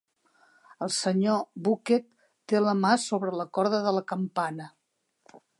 El senyor Bucket té la ma sobre la corda de la campana.